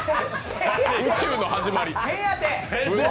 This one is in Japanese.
宇宙の始まり。